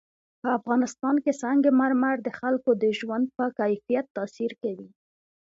په افغانستان کې سنگ مرمر د خلکو د ژوند په کیفیت تاثیر کوي.